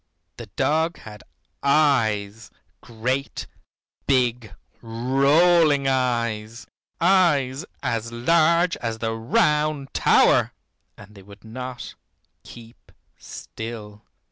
The dog had eyes, great big rolling eyes, eyes as large as the Round Tower. And they would not keep still.